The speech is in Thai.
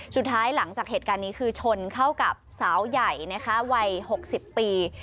หลังจากเหตุการณ์นี้คือชนเข้ากับสาวใหญ่นะคะวัย๖๐ปี